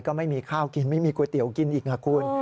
ก็ไม่มีข้าวกินไม่มีก๋วยเตี๋ยวกินอีกคุณ